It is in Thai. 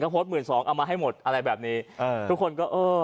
โพสต์หมื่นสองเอามาให้หมดอะไรแบบนี้เออทุกคนก็เออ